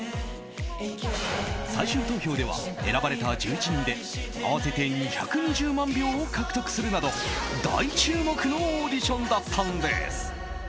最終投票では選ばれた１１人で合わせて２２０万票を獲得するなど大注目のオーディションだったんです。